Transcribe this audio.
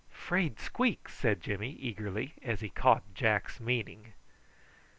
"'Fraid squeak," said Jimmy eagerly, as he caught Jack's meaning.